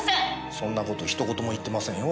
そんな事ひと言も言ってませんよ